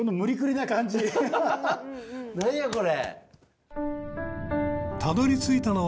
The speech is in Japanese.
何やこれ！